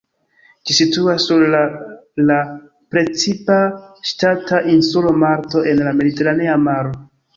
Ĝi situas sur la la precipa ŝtata insulo Malto en la Mediteranea Maro.